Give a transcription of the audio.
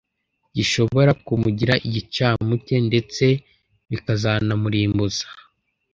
gishobora kumugira igicamuke ndetse bikazanamurimbuza